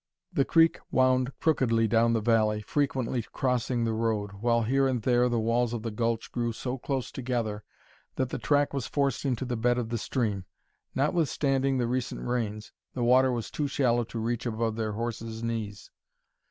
The creek wound crookedly down the valley, frequently crossing the road, while here and there the walls of the gulch drew so close together that the track was forced into the bed of the stream. Notwithstanding the recent rains, the water was too shallow to reach above their horses' knees.